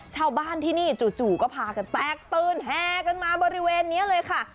ชาวบ้านที่นี่จู่ก็พากันแตกตื่นแหกันมาบริเวณนี้เลยค่ะ